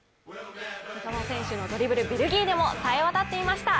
三笘選手のドリブル、ベルギーでもさえ渡っていました。